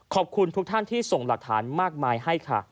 ขอบคุณทุกท่านที่ส่งหลักฐานมากมายให้ค่ะ